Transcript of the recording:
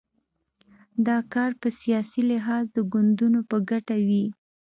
دا کار په سیاسي لحاظ د ګوندونو په ګټه وي.